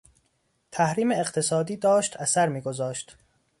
تحریم اقتصادی داشت اثر میگذاشت.